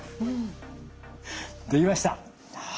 できました。